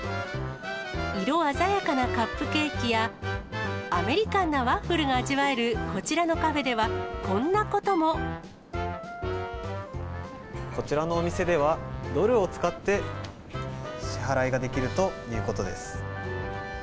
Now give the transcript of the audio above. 色鮮やかなカップケーキや、アメリカンなワッフルが味わえるこちらのカフェでは、こんなことこちらのお店では、ドルを使って支払いができるということです。